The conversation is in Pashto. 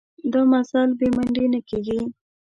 دا مزل بې منډې نه کېږي.